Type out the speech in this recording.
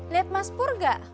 lihat mas purga